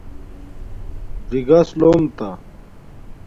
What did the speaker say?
ژِگس لُوم تہ